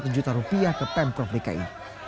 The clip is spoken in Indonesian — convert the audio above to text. delapan ratus satu juta rupiah ke pemprov dki